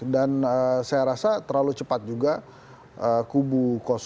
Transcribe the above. dan saya rasa terlalu cepat juga kubu dua